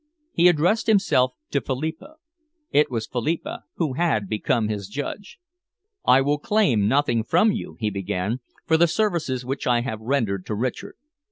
He addressed himself to Philippa. It was Philippa who had become his judge. "I will claim nothing from you," he began, "for the services which I have rendered to Richard.